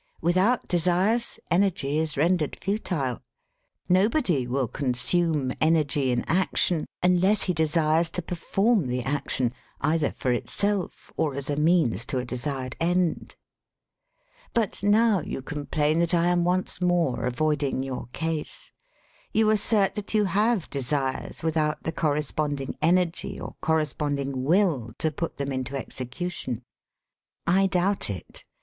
Without desires, energy is rendered futile. Nobody will consume energy in action unless he desires to per form the action, either for itself or as a means to a desired end. ^^But now you complain that I am once more avoiding your case. You assert that you have desires without the corresponding energy or cor responding will to put them into execution. I doubt it.